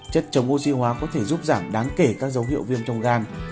chất chống oxy hóa có thể giúp giảm đáng kể các dấu hiệu viêm trong gan